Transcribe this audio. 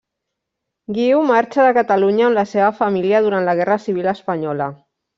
Guiu marxa de Catalunya amb la seva família durant la Guerra Civil Espanyola.